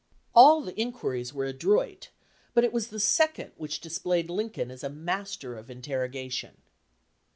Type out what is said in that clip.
All the inquiries were adroit, but it was the second which displayed Lincoln as a master of interrogation.